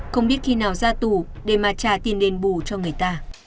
không biết khi nào ra tù để mà trả tiền đền bù cho người ta